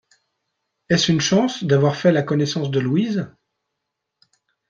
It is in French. Est-ce une chance d’avoir fait la connaissance de Louise?